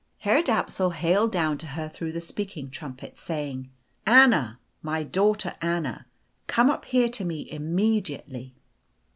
Heir Dapsul hailed down to her through the speaking trumpet, saying, "Anna, my daughter Anna, come up here to me immediately."